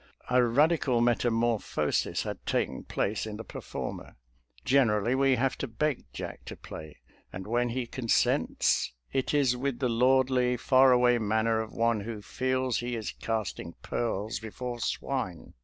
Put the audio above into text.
A radical metamorphosis had taken place in the performer. Generally, we have to beg Jack to play, and, when he consents, it is with the lordly, far away manner of one who feels he is " casting pearls before swine."